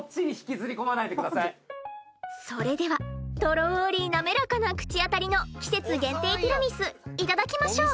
それではとろり滑らかな口当たりの季節限定ティラミスいただきましょう。